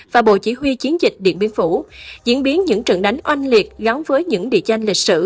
và bộ chỉ huy chiến dịch điện biên phủ diễn biến những trận đánh oanh liệt gắn với những địa danh lịch sử